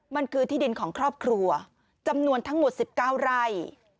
มันคือที่ดินของครอบครัวจำนวนทั้งหมด๑๙ไร่